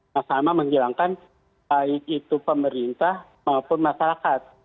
masama menghilangkan baik itu pemerintah maupun masyarakat